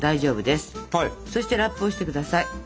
そしてラップをして下さい。